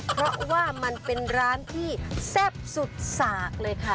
เพราะว่ามันเป็นร้านที่แซ่บสุดสากเลยค่ะ